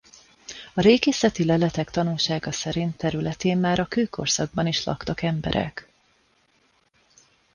A régészeti leletek tanúsága szerint területén már a kőkorszakban is laktak emberek.